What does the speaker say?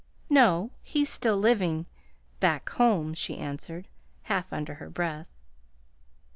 "No. He's still living back home," she answered, half under her breath.